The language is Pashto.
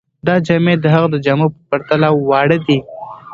دا جامې د هغه د جامو په پرتله واړه دي.